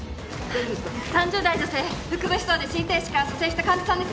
３０代女性腹部刺創で心停止から蘇生した患者さんです